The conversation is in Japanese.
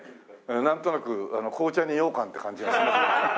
なんとなく紅茶にようかんって感じがします。